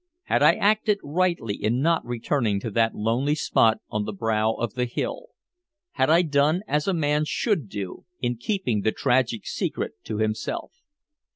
Had I acted rightly in not returning to that lonely spot on the brow of the hill? Had I done as a man should do in keeping the tragic secret to myself?